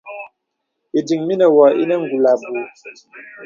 Ìdiŋ mə̀ nə̀ wɔ̄ ònə kùl abùù.